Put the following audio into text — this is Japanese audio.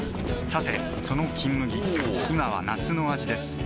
さてその「金麦」今は夏の味ですおぉ！